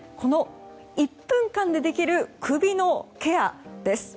１分間でできる首のケアです。